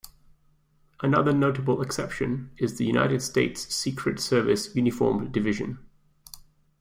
Another notable exception is the United States Secret Service Uniformed Division.